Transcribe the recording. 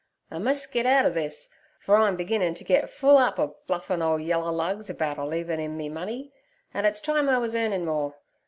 I mus' git out o' this, for I'm beginnin' t' get full up ov bluffin' ole yeller lugs about a leavin' 'im me money, an' it's time I was earnin' more.